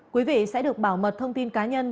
quý vị sẽ được bảo mật thông tin cá nhân